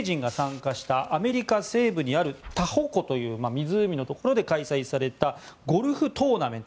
著名人が参加したアメリカ西部にあるタホ湖という湖のところで開催されたゴルフトーナメント